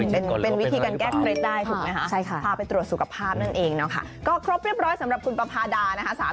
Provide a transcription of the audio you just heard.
เป็นวิธีการแก้เก็ตได้พาไปตรวจสุขภาพเนี่ยแล้วครบเรียบร้อยสำหรับคุณปาพาดา